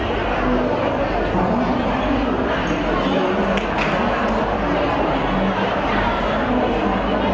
ขอร้าพที่ชิคกี้พายมีดี